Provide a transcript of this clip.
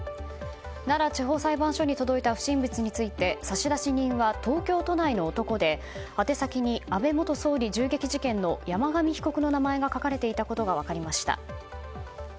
奈良地方裁判所に届いた不審物について差出人は東京都内の男で宛先に、安倍元総理銃撃事件の山上被告の名前が書かれていたことが分かりました。